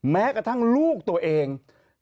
แม้กระทั่งลูกตัวเอง